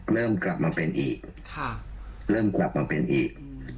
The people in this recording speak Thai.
เริ่มกลับมาเป็นอีก